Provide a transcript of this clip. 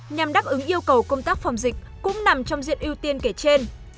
nhằm đáp ứng yêu cầu công tác phòng dịch cũng nằm trong diện ưu tiên kể trên